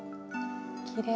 きれい。